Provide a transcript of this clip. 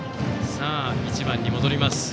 さあ、１番に戻ります。